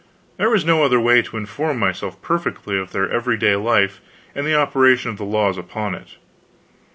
There was no other way to inform myself perfectly of their everyday life and the operation of the laws upon it.